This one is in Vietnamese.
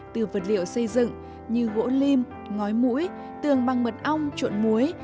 từ vật liệu xây dựng như gỗ lim ngói mũi tường băng mật ong trộn muối